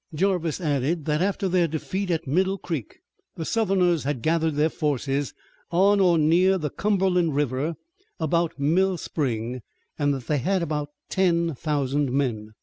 Jarvis added that after their defeat at Middle Creek the Southerners had gathered their forces on or near the Cumberland River about Mill Spring and that they had ten thousand men.